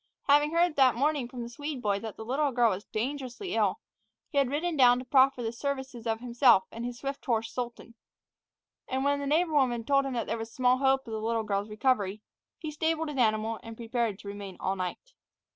Having heard that morning from the Swede boy that the little girl was dangerously ill, he had ridden down to proffer the services of himself and his swift horse Sultan. And when the neighbor woman told him that there was small hope of the little girl's recovery, he stabled his animal, and prepared to remain all night.